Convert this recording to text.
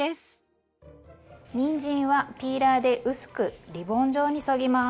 にんじんはピーラーで薄くリボン状にそぎます。